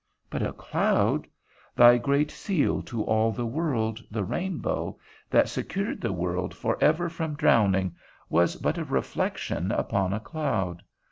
But a cloud? Thy great seal to all the world, the rainbow, that secured the world for ever from drowning, was but a reflection upon a cloud.